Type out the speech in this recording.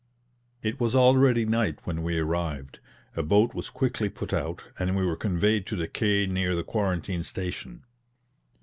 It was already night when we arrived; a boat was quickly put out, and we were conveyed to the quay near the quarantine station.